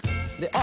あ！